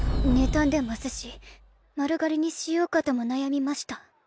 妬んでますし丸刈りにしようかとも悩みました。